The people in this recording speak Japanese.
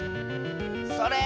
それ！